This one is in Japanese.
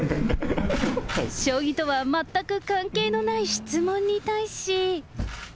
将棋とは全く関係のない質問に対し。